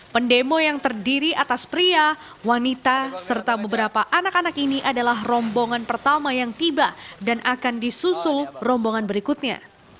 pendemo yang terdiri atas pria wanita serta beberapa anak anak ini adalah rombongan pertama yang tiba dan akan disusul rombongan berikutnya